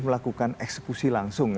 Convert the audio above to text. melakukan eksekusi langsung